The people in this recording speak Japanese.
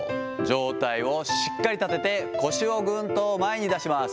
状態をしっかり立てて、腰をぐーんと前に出します。